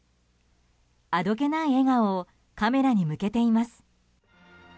あどけない笑顔をカメラに向けています。